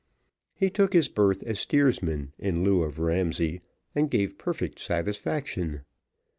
He took his berth as steersman, in lieu of Ramsay, and gave perfect satisfaction.